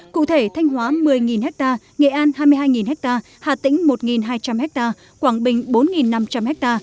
cụ thể thanh hóa một mươi ha nghệ an hai mươi hai ha hà tĩnh một hai trăm linh ha quảng bình bốn năm trăm linh ha